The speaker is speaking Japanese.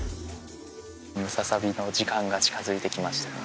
ムササビの時間が近づいてきましたよ